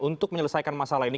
untuk menyelesaikan masalah ini